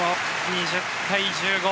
２０対１５。